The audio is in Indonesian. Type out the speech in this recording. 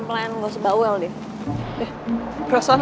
bantu gue berdiri aja